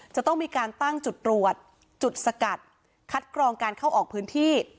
จะต้องมีการตั้งจุดตรวจจุดสกัดคัดกรองการเข้าออกพื้นที่